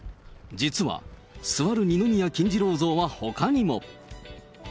実は、座る二宮金次郎像はほかにも。